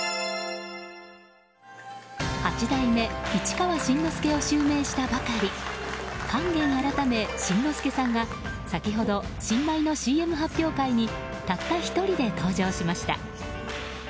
八代目市川新之助を襲名したばかり勸玄改め新之助さんが先ほど、新米のＣＭ発表会にたった１人で登場しました。